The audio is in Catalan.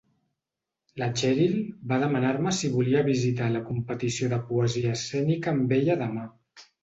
La Cheryl va demanar-me si volia visitar la competició de poesia escènica amb ella demà.